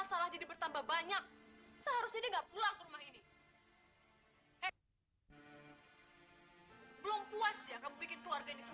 sampai jumpa di video selanjutnya